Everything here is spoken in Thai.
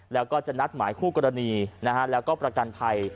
แล้วก็จะนัดหมายคู่กรณีแล้วก็ประกันภัย